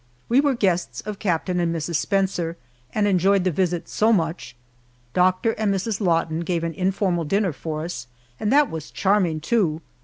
We were guests of Captain and Mrs. Spencer, and enjoyed the visit so much. Doctor and Mrs. Lawton gave an informal dinner for us, and that was charming too.